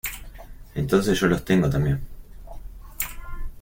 Entonces yo los tengo también.